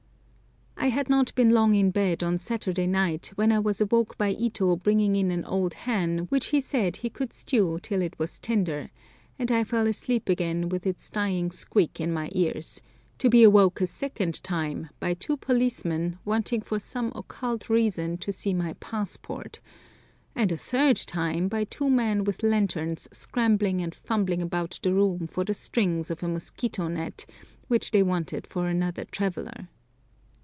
I had not been long in bed on Saturday night when I was awoke by Ito bringing in an old hen which he said he could stew till it was tender, and I fell asleep again with its dying squeak in my ears, to be awoke a second time by two policemen wanting for some occult reason to see my passport, and a third time by two men with lanterns scrambling and fumbling about the room for the strings of a mosquito net, which they wanted for another traveller.